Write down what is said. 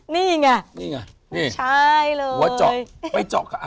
นี่ไงคุณ